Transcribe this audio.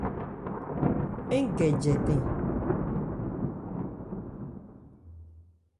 Ń gɛ jɛtɛn.